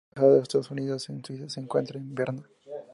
La Embajada de los Estados Unidos en Suiza se encuentra en Berna.